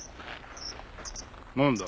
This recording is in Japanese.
何だ？